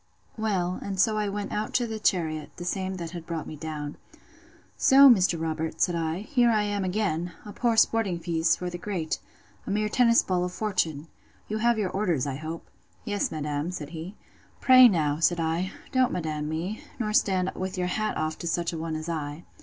Well, and so I went out to the chariot, the same that brought me down. So, Mr. Robert, said I, here I am again! a poor sporting piece for the great! a mere tennis ball of fortune! You have your orders, I hope. Yes, madam, said he. Pray, now, said I, don't madam me, nor stand with your hat off to such a one as I.